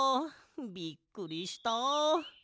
びっくりした。